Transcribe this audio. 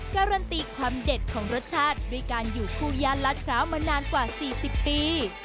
การันตีความเด็ดของรสชาติด้วยการอยู่คู่ย่านลาดพร้าวมานานกว่า๔๐ปี